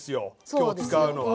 今日使うのは。